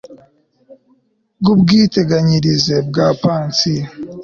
bw ubwiteganyirize bwa pansiyo